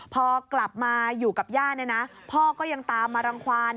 พอกลับมาอยู่กับย่านะพอก็ยังตามมารังควัน